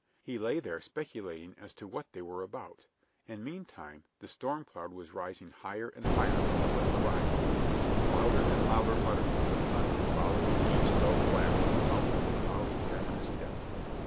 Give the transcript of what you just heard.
He lay there speculating as to what they were about, and meantime the storm cloud was rising higher and higher above the horizon, with louder and louder mutterings of thunder following each dull flash from out the cloudy, cavernous depths.